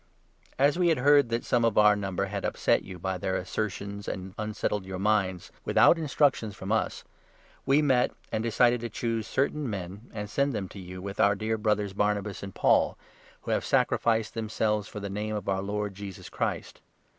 As we had heard that some of our number had upset 24 you by their assertions, and unsettled your minds — without instructions from us — we met and decided to 25 choose certain men and send them to you with our dear brothers Barnabas and Paul, who have sacrificed 26 themselves for the Name of our Lord, Jesus Christ.